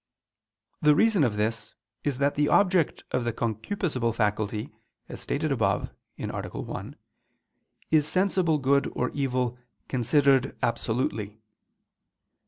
The reason of this is that the object of the concupiscible faculty, as stated above (A. 1), is sensible good or evil considered absolutely.